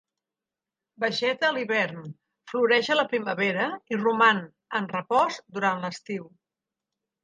Vegeta a l'hivern, floreix a la primavera i roman en repòs durant l'estiu.